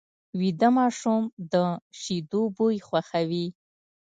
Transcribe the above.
ویده ماشوم د شیدو بوی خوښوي